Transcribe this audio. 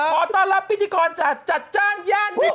ขอต้อนรับพิธีกรจัดจ้างญาติพิภาค